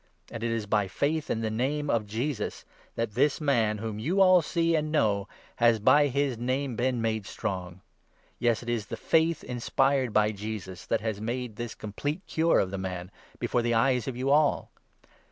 And it is by faith in the Name of Jesus, that this 16 man, whom you all see and know, has — by his Name — been made strong. Yes, it is the faith inspired by Jesus that has made this complete cure of the man, before the eyes of you all.